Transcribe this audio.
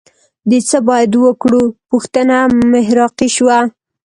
د څه باید وکړو پوښتنه محراقي شوه